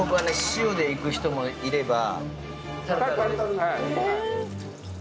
塩でいく人もいれば。